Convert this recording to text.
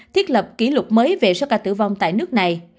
thiết lập kỷ lục mới về số ca tử vong tại nước này